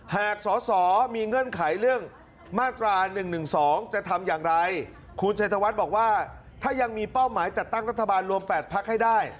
หากสอสอมีเงื่อนไขเรื่องมาตรา๑๑๒จะทำอย่างไรคุณชัยธวัฒน์บอกว่าถ้ายังมีเป้าหมายจัดตั้งรัฐบาลรวม๘พักให้ได้